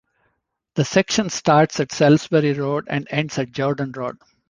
The section starts at Salisbury Road and ends at Jordan Road.